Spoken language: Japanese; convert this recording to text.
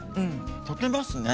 溶けますね